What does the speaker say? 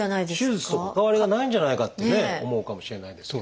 手術と関わりがないんじゃないかってね思うかもしれないんですけど。